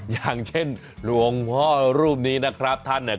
อย่างเช่นหลวงพ่อรูปนี้นะครับท่านเนี่ย